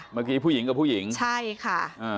เมื่อกี้ผู้หญิงกับผู้หญิงใช่ค่ะ